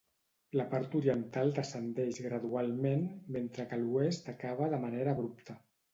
La part oriental descendeix gradualment, mentre que a l'oest acaba de manera abrupta.